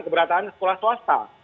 keberataan sekolah swasta